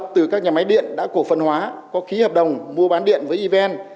từ các nhà máy điện đã cổ phần hóa có khí hợp đồng mua bán điện với even